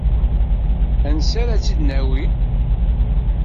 Anisi ara tt-id-nawi?